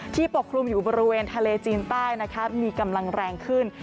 ปกคลุมอยู่บริเวณทะเลจีนใต้นะคะมีกำลังแรงขึ้น